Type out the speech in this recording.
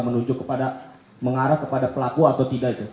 menuju kepada mengarah kepada pelaku atau tidak itu